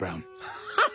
ハハハ！